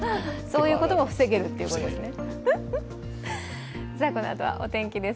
そういうことも防げるということですね。